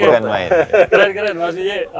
keren keren makasih dji